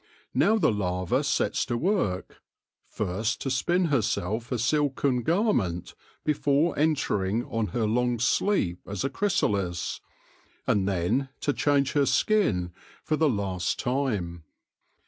Now the larva sets to work, first to spin herself a silken garment before entering on her long sleep as a chrysalis, and then to change her skin for the last time.